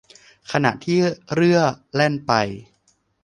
ขณะที่เรื่อแล่นไป